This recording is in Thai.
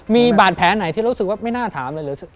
มีบาดแผลไหนที่รู้สึกว่าไม่น่าถามเลยหรือ